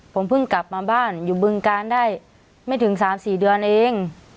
ผมเพิ่งกลับมาบ้านอยู่บึงการได้ไม่ถึง๓๔เดือนเอง